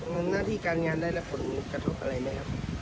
ทำหน้าที่การงานได้รับผลกระทบอะไรไหมครับ